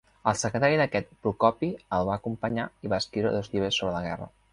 El secretari d'aquest, Procopi el va acompanyar i va escriure dos llibres sobre la guerra.